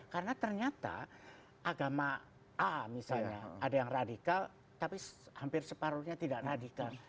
karena ternyata agama a misalnya ada yang radikal tapi hampir separuhnya tidak radikal